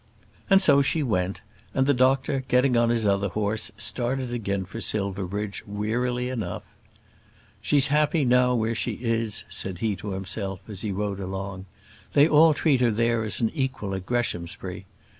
And so she went; and the doctor, getting on his other horse, started again for Silverbridge, wearily enough. "She's happy now where she is," said he to himself, as he rode along. "They all treat her there as an equal at Greshamsbury.